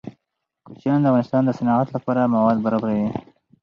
کوچیان د افغانستان د صنعت لپاره مواد برابروي.